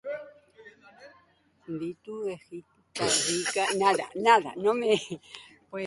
Hondakinen gaiak bereziki kezkatzen ditu agintariak eta herritarrak.